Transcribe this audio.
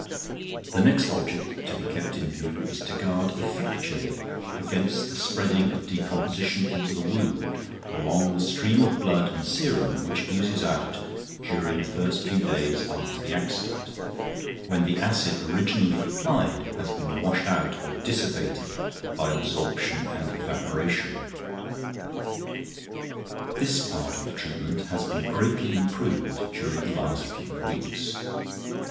The next object to be kept in view is to guard effectually against the spreading of decomposition into the wound along the stream of blood and serum which oozes out during the first few days after the accident, when the acid originally applied has been washed out or dissipated by absorption and evaporation. This part of the treatment has been greatly improved during the past few weeks.